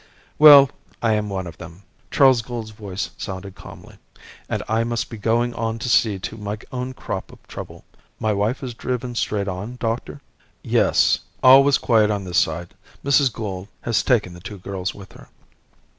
"Well, I am one of them," Charles Gould's voice sounded, calmly, "and I must be going on to see to my own crop of trouble. My wife has driven straight on, doctor?" "Yes. All was quiet on this side. Mrs. Gould has taken the two girls with her."